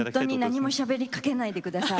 何もしゃべりかけないで下さい。